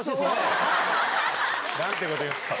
なんてこと言うんですか。